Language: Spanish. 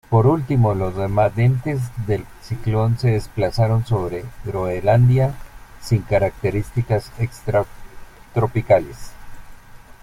Por último, los remanentes del ciclón se desplazaron sobre Groenlandia sin características extratropicales.